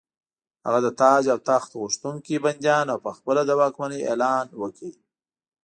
هغه د تاج او تخت غوښتونکي بندیان او په خپله د واکمنۍ اعلان وکړ.